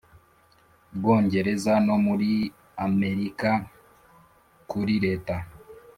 Bwongereza no muri Amerika Kuri Leta